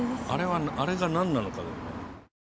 あれが何なのかだよね。